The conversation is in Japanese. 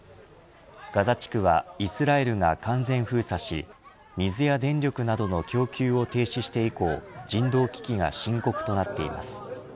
ガザ地区はイスラエルが完全封鎖し水や電力などの供給を停止して以降人道危機が深刻となっています。